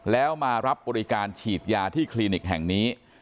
แล้วมารับบริการฉีดยาที่คลินิกแห่งนี้